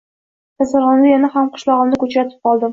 Kasalxonada yana hamqishlog`imni uchratib qoldim